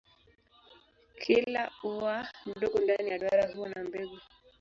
Kila ua mdogo ndani ya duara huwa na mbegu.